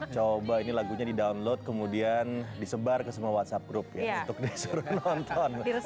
coba ini lagunya di download kemudian disebar ke semua whatsapp group ya untuk disuruh nonton